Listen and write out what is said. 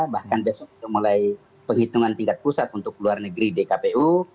bahkan besok mulai penghitungan tingkat pusat untuk luar negeri dkpu